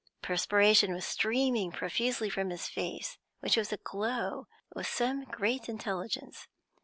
Perspiration was streaming profusely from his face, which was aglow with some great intelligence.